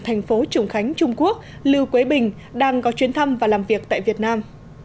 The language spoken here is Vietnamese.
thành phố trùng khánh trung quốc lưu quế bình đang có chuyến thăm và làm việc tại việt nam